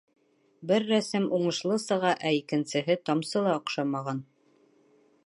Бер рәсем уңышлы сыға, ә икенсеһе тамсы ла оҡшамаған.